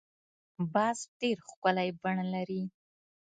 باز ډېر ښکلی بڼ لري